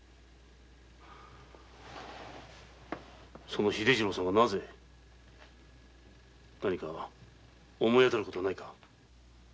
その秀次郎さんがなぜ？何か思い当たることはないか？